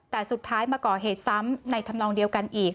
แต่สุดท้ายมาก่อเหตุซ้ำในธรรมนองเดียวกันอีก